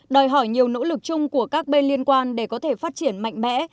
đòi hỏi nhiều nỗ lực chung của các bên liên quan để có thể phát triển mạnh mẽ